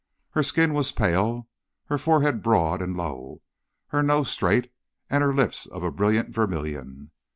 Her skin was pale, her forehead broad and low, her nose straight, and her lips of a brilliant vermilion.